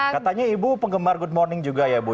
katanya ibu penggemar good morning juga ya bu